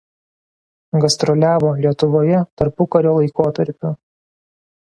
Gastroliavo Lietuvoje tarpukario laikotarpiu.